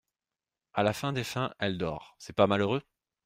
À la fin des fins, elle dort… c’est pas malheureux !…